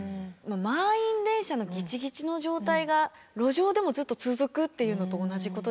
満員電車のギチギチの状態が路上でもずっと続くっていうのと同じことですもんね。